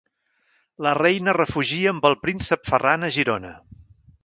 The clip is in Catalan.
La reina es refugia amb el príncep Ferran a Girona.